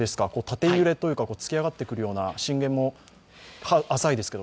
縦揺れというか突き上がってくるような、震源も浅いですが。